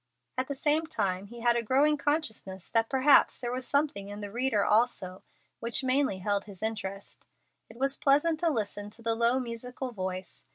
At the same time he had a growing consciousness that perhaps there was something in the reader also which mainly held his interest. It was pleasant to listen to the low, musical voice.